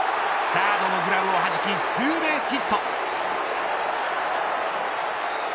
サードのグラブをはじきツーベースヒット。